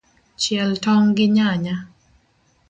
Chiel tong’ gi nyanya.